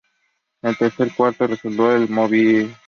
En el tercer cuarto el resultado no se movió.